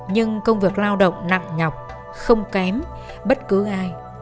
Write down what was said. nhưng công việc lao động nặng nhọc không kém bất cứ ai